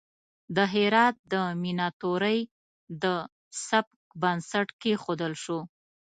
د هرات د میناتوری د سبک بنسټ کیښودل شو.